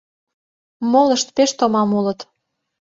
Молышт пеш томам улыт.